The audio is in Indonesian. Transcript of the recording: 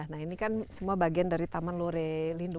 nah ini kan semua bagian dari taman lore lindu